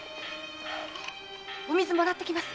お水もらってきます。